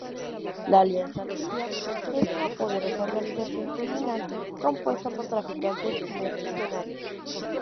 La Alianza Lucian es una poderosa organización criminal compuesta por traficantes y mercenarios.